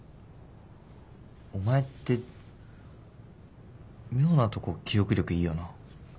お前って妙なとこ記憶力いいよな。